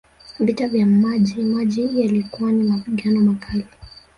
Vita vya Maji Maji yalikuwa ni mapigano makali